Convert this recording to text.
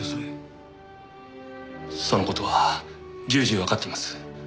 その事は重々わかっています。